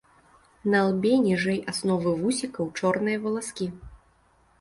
На лбе ніжэй асновы вусікаў чорныя валаскі.